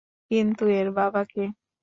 কিন্তু, এর বাবা কে?